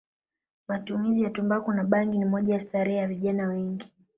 Matumizi ya tumbaku na bangi ni moja ya starehe ya vijna wengi